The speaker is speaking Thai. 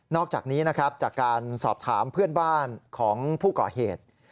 อกจากนี้นะครับจากการสอบถามเพื่อนบ้านของผู้ก่อเหตุ